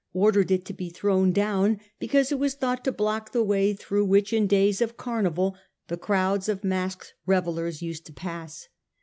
ordered it to be thrown down, because it was thought to block the way through which in days of carnival the crowds of masked revellers used to pass.